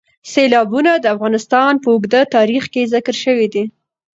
سیلابونه د افغانستان په اوږده تاریخ کې ذکر شوي دي.